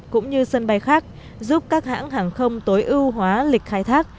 cũng như sân bay khác giúp các hãng hàng không tối ưu hóa lịch khai thác